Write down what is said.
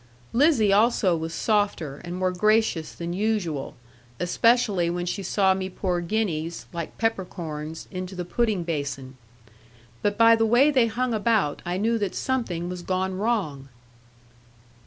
Lizzie also was softer, and more gracious than usual; especially when she saw me pour guineas, like peppercorns, into the pudding basin. But by the way they hung about, I knew that something was gone wrong.